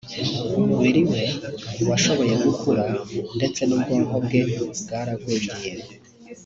umubiri we ntiwashoboye gukura ndetse n’ubwonko bwe bwaragwingiye